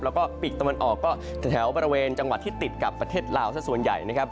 แล้วก็ปีกตะวันออกก็แถวบริเวณจังหวัดที่ติดกับประเทศลาวสักส่วนใหญ่นะครับ